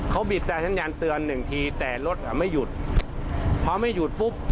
เขาบีบแต่สัญญาณเตือนหนึ่งทีแต่รถอ่ะไม่หยุดพอไม่หยุดปุ๊บ